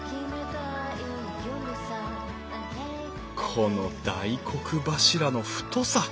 この大黒柱の太さ。